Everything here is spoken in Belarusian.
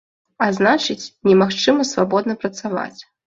А значыць, немагчыма свабодна працаваць.